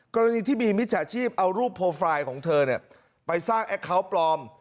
กรณีที่มีมิจฉาชีพเอารูปโปรไฟล์ของเธอไปสร้างแอคเคาน์ปลอม